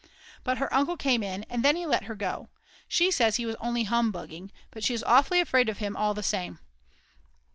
But her uncle came in, and then he let her go. She says he was only humbugging, but she is awfully afraid of him all the same.